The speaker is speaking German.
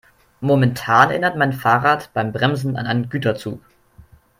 Momentan erinnert mein Fahrrad beim Bremsen an einen Güterzug.